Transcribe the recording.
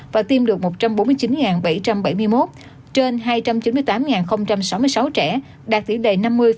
và tiêm được một trăm bốn mươi chín bảy trăm bảy mươi một trên hai trăm chín mươi tám sáu mươi sáu trẻ đạt tỷ đề năm mươi hai mươi năm